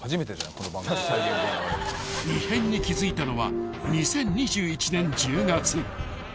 ［異変に気付いたのは２０２１年１０月］